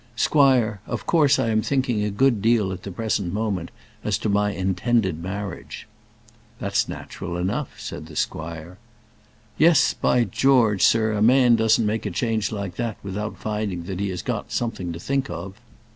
"Squire, of course I am thinking a good deal at the present moment as to my intended marriage." "That's natural enough," said the squire. "Yes, by George! sir, a man doesn't make a change like that without finding that he has got something to think of."